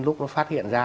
lúc nó phát hiện ra